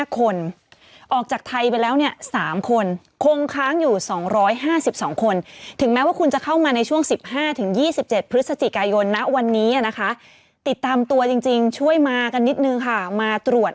คนออกจากไทยไปแล้วเนี่ย๓คนคงค้างอยู่๒๕๒คนถึงแม้ว่าคุณจะเข้ามาในช่วง๑๕๒๗พฤศจิกายนนะวันนี้นะคะติดตามตัวจริงช่วยมากันนิดนึงค่ะมาตรวจ